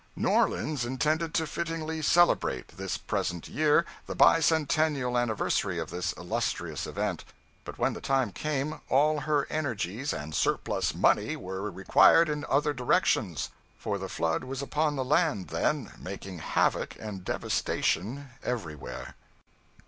New Orleans intended to fittingly celebrate, this present year, the bicentennial anniversary of this illustrious event; but when the time came, all her energies and surplus money were required in other directions, for the flood was upon the land then, making havoc and devastation everywhere.